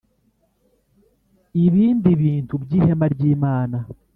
Ibindi bintu by Ihema ry Imana